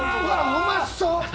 うまそう！